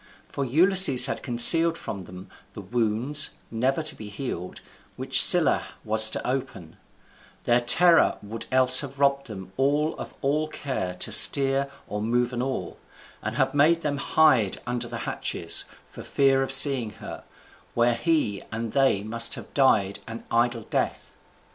For Ulysses had concealed from them the wounds, never to be healed, which Scylla was to open: their terror would else have robbed them all of all care to steer or move an oar, and have made them hide under the hatches, for fear of seeing her, where he and they must have died an idle death.